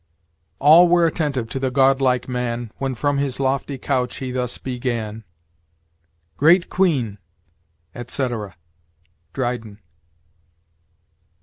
"All were attentive to the godlike man When from his lofty couch he thus began: 'Great queen,'" etc. Dryden.